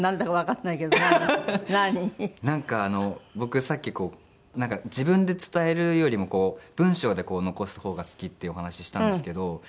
なんか僕さっき自分で伝えるよりも文章で残す方が好きっていうお話したんですけど。